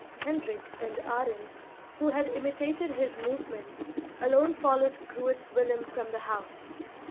Hendrik and Arend, who had imitated his movements, alone followed Groot Willem from the house.